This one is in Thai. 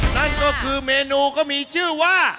นั่นก็คือเมนูก็มีชื่อว่า